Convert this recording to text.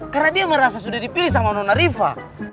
karena dia merasa sudah dipilih sama nona riva